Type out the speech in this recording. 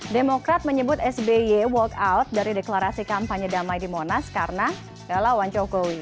demokrat menyebut sby walk out dari deklarasi kampanye damai di monas karena lawan jokowi